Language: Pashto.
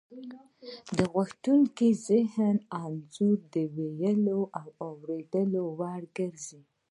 د غوښتنې ذهني انځور د ویلو او اوریدلو وړ ګرځي